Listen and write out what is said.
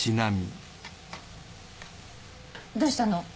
どうしたの？